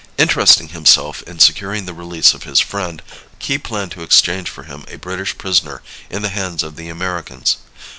Interesting himself in securing the release of his friend, Key planned to exchange for him a British prisoner in the hands of the Americans.